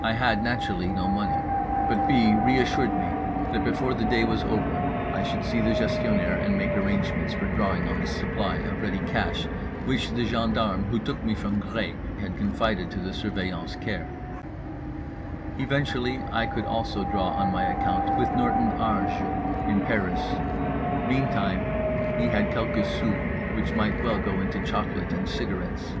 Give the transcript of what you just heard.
I had, naturally, no money; but B. reassured me that before the day was over I should see the Gestionnaire and make arrangements for drawing on the supply of ready cash which the gendarmes who took me from Gré had confided to The Surveillant's care; eventually I could also draw on my account with Norton Harjes in Paris; meantime he had quelques sous which might well go into chocolate and cigarettes.